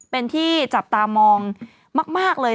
เป็นที่จับตามองมากเลย